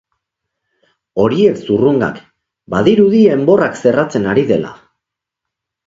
Horiek zurrungak, badirudi enborrak zerratzen ari dela.